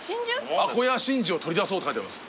「あこや真珠を取り出そう！！」って書いてあります。